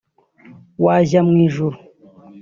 wajya mu ijuru